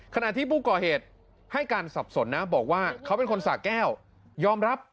ขณะที่ผู้ก่อเหตุให้การสับสนนะบอกว่าเขาเป็นคนสะแก้วยอมรับ